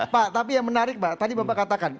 pak tapi yang menarik pak tadi bapak katakan